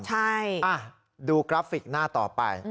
ใช่ดูกราฟิกหน้าต่อไป